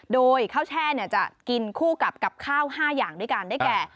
โดยข้าวแช่จะกินคู่กับข้าว๕อย่างด้วยกันได้แก่